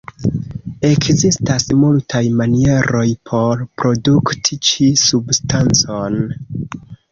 Ekzistas multaj manieroj por produkti ĉi-substancon.